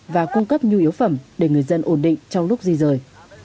và cung cấp nhu yếu phẩm để người dân ổn định trong lúc di rời